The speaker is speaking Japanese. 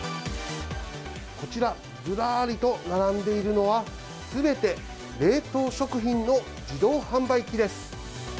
こちら、ずらりと並んでいるのは、すべて冷凍食品の自動販売機です。